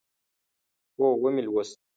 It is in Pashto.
هو، ومی لوست